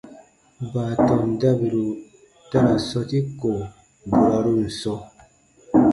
Baatɔn dabiru ta ra sɔ̃ti ko burarun sɔ̃,